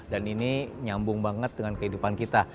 dan ini nyambung banget dengan kehidupan kita